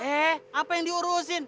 eh apa yang diurusin